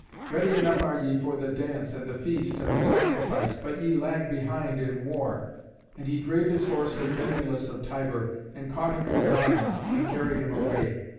Ready enough are ye for the dance, and the feast, and the sacrifice; but ye lag behind in war." And he drave his horse at Venulus of Tibur, and caught him in his arms, and carried him away.